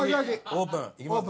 オープンいきますよ。